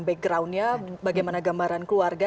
backgroundnya bagaimana gambaran keluarga